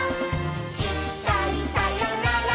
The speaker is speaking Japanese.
「いっかいさよなら